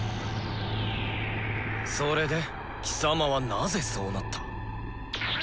それで貴様はなぜそうなった？